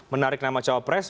menarik nama cawapres